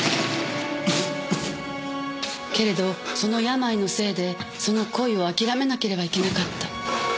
けれどその病のせいでその恋を諦めなければいけなかった。